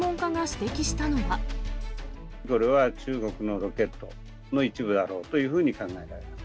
これは中国のロケットの一部だろうというふうに考えられます。